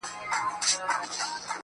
o نور دي نو شېخاني كيسې نه كوي.